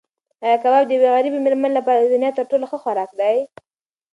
ایا کباب د یوې غریبې مېرمنې لپاره د دنیا تر ټولو ښه خوراک دی؟